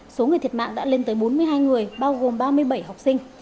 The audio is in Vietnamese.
số người thiệt mạng đã lên tới bốn mươi hai người bao gồm ba mươi bảy học sinh